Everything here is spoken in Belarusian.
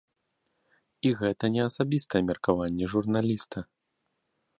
І гэта не асабістае меркаванне журналіста.